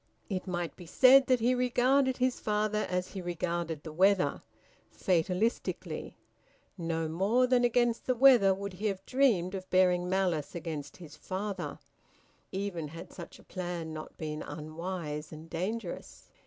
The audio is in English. It might be said that he regarded his father as he regarded the weather, fatalistically. No more than against the weather would he have dreamed of bearing malice against his father, even had such a plan not been unwise and dangerous.